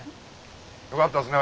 よかったですね